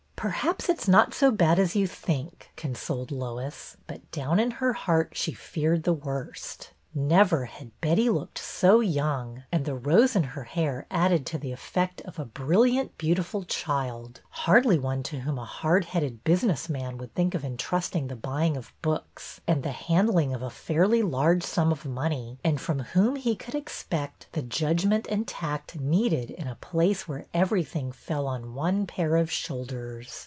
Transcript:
" Perhaps it 's not so bad as you think," con THE NEW LIBRARIAN 209 soled Lois, but down in her heart she feared the worst. Never had Betty looked so young, and the rose in her hair added to the effect of a brilliant, beau tiful child, hardly one to whom a hard headed business man would think of intrusting the buy ing of books and the handling of a fairly large sum of money, and from whom he could expect the judgment and tact needed in a place where everything fell on one pair of shoulders.